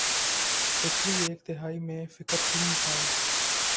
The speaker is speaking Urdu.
پچھلی ایک دہائی میں فقط تین سال